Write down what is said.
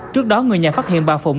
trước đó người nhà phát hiện bà phụng